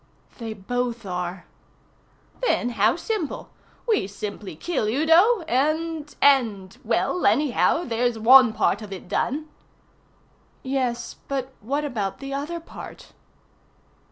"They both are." "Then how simple. We simply kill Udo, and and well, anyhow, there's one part of it done." "Yes, but what about the other part?"